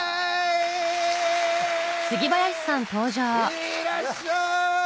いらっしゃい。